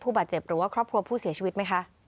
บาดเจ็บหรือว่าครอบครัวผู้เสียชีวิตไหมคะ